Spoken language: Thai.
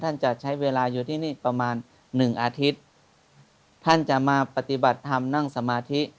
ท่านจะใช้เวลาอยู่ที่นี่ประมาณ๑อาทิตย์ท่านจะมาปฏิบัติทำกับนั่งสมาธิ